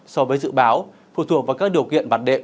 so với dự báo phù thuộc vào các điều kiện vặt bộ